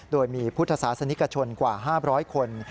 โดยมีพุทธศาสนิกชนกว่า๕๐๐คน